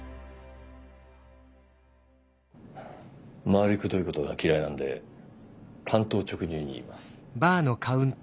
回りくどいことが嫌いなんで単刀直入に言います。